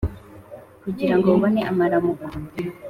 kugira ngo ubone amaramuko.